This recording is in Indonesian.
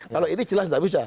kalau ini jelas tidak bisa